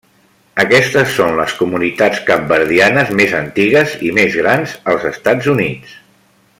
Aquestes són les comunitats capverdianes més antigues i més grans als Estats Units.